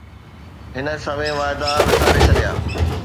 هن سوين واعدا وساري ڇڏيا